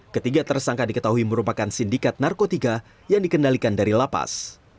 ketiga tersangka diketahui merupakan sindikat narkotika yang dikendalikan dari lapas